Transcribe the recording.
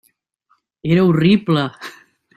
Era horrible.